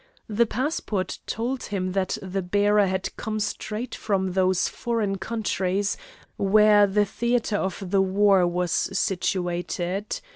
The passport told him that the bearer had come straight from those foreign countries, where the theatre of the war was situated.